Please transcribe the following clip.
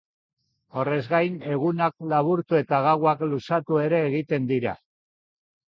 Horrez gain, egunak laburtu eta gauak luzatu ere egiten dira.